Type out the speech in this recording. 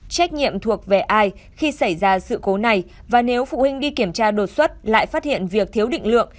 trách nhiệm thuộc về ai khi xảy ra sự cố này và nếu phụ huynh đi kiểm tra đột xuất lại phát hiện việc thiếu định lượng